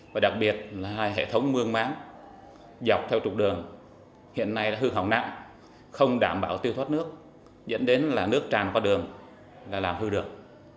và đặc biệt là hai hệ thống mương máng dọc theo trục đường hiện nay đã hư hỏng nặng không đảm bảo tiêu thoát nước dẫn đến là nước tràn qua đường là làm hư được